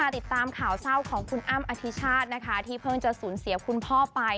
ติดตามข่าวเศร้าของคุณอ้ำอธิชาตินะคะที่เพิ่งจะสูญเสียคุณพ่อไป